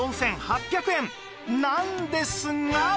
なんですが